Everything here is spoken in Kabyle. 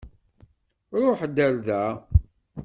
Ṛuḥ-d ar da.